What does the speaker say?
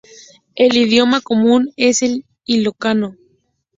El idioma común es el ilocano.